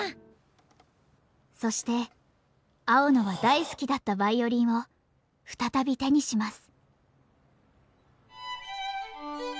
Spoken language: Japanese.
そして青野は大好きだったヴァイオリンを再び手にします。